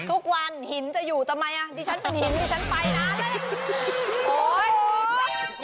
ทุกวันหินจะอยู่ทำไมนี่ฉันเป็นหินนี่ฉันไปนะ